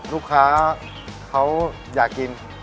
ลูกค้าเขาอยากกิน